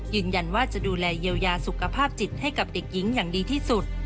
ยืนยันว่าจะดูแลเยียวยาสุขภาพจิตให้กับเด็กหญิงอย่างดีที่สุด